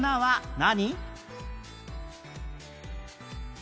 何？